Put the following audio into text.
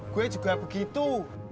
gue juga begitu